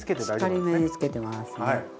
しっかりめにつけてますね。